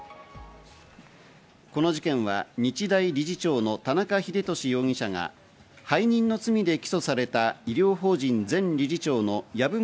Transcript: この事件は日大理事長の田中英壽容疑者が背任の罪で起訴された医療法人前理事長の籔本